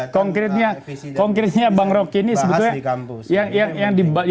konkretnya konkretnya bang roky ini sebetulnya